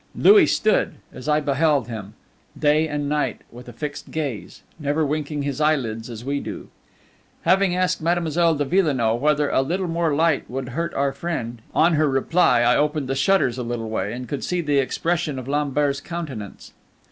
Louis stood, as I beheld him, day and night with a fixed gaze, never winking his eyelids as we do. Having asked Mademoiselle de Villenoix whether a little more light would hurt our friend, on her reply I opened the shutters a little way, and could see the expression of Lambert's countenance.